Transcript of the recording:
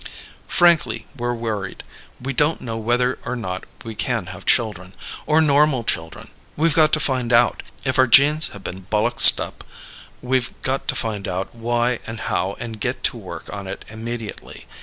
"Frankly, we're worried. We don't know whether or not we can have children. Or normal children. We've got to find out. If our genes have been bollixed up, we've got to find out why and how and get to work on it immediately.